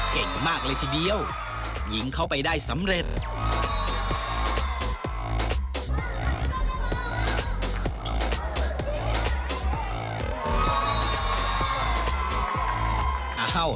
เก่งมากเลยทีเดียวยิงเข้าไปได้สำเร็จ